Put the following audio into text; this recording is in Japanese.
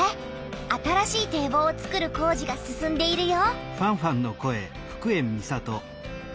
新しい堤防をつくる工事が進んでいるよ。